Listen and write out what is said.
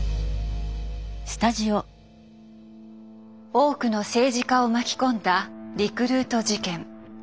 多くの政治家を巻き込んだリクルート事件。